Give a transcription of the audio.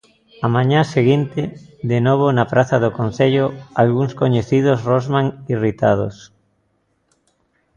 Á mañá seguinte, de novo na praza do concello, algúns coñecidos rosman irritados.